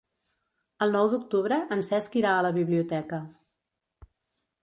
El nou d'octubre en Cesc irà a la biblioteca.